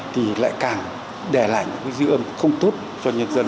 thì lại càng để lại những dư âm không tốt cho nhân dân